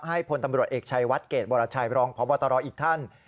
พลตำรวจเอกชัยวัดเกรดวรชัยรองพบตรอีกท่าน